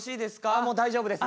ああもう大丈夫です。